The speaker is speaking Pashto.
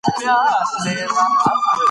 په شفاهي خبرو تکیه مه کوئ.